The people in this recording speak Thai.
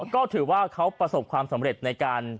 ก็ถือว่าเขาประสบความสำเร็จในการ